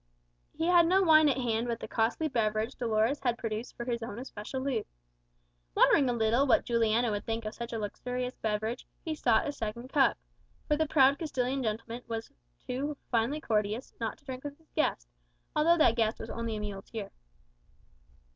He had no wine at hand but the costly beverage Dolores had produced for his own especial use. Wondering a little what Juliano would think of such a luxurious beverage, he sought a second cup, for the proud Castilian gentleman was too "finely courteous" not to drink with his guest, although that guest was only a muleteer.